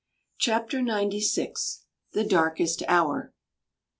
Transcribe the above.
CHAPTER NINETY SIX. THE DARKEST HOUR.